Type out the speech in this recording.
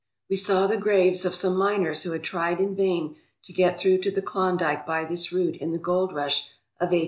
We saw the graves of some miners who had tried in vain to get through to the Klondike by this route in the gold rush of i8p8.